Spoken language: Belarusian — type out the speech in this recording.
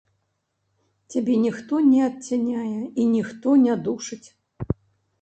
Цябе ніхто не адцяняе і ніхто не душыць.